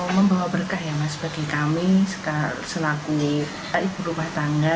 membawa berkah ya mas bagi kami selaku ibu rumah tangga